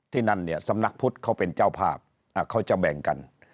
นั่นเนี่ยสำนักพุทธเขาเป็นเจ้าภาพเขาจะแบ่งกัน